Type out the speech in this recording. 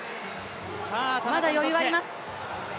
まだ余裕あります。